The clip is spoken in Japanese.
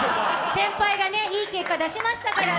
先輩がいい結果出しましたから。